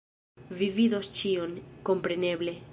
Vi vidos ĉion, kompreneble